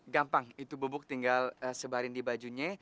gampang itu bubuk tinggal sebarin di bajunya